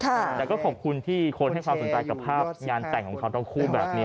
แต่ก็ขอบคุณที่คนให้ความสนใจกับภาพงานแต่งของเขาทั้งคู่แบบนี้